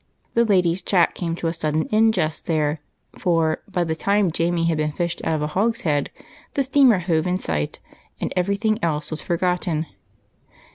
The ladies' chat came to a sudden end just there, for by the time Jamie had been fished out of a hogshead, the steamer hove in sight and everything else was forgotten.